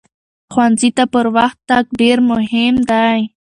ښوونځي ته پر وخت تګ ډېر مهم دی.